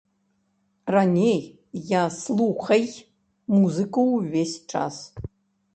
Раней я слухай музыку ўвесь час.